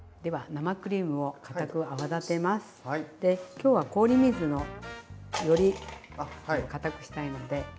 今日は氷水のより固くしたいので。